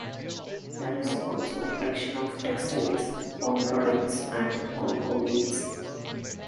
There is also production of textiles, palm products, and cocoa beans.